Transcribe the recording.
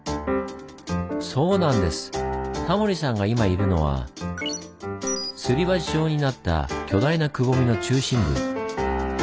タモリさんが今いるのはすり鉢状になった巨大なくぼみの中心部。